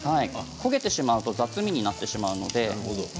焦げてしまうと雑味になってしまうので。